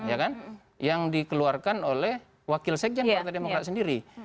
ya kan yang dikeluarkan oleh wakil sekjen partai demokrat sendiri